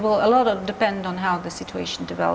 banyak yang bergantung pada bagaimana situasi berkembang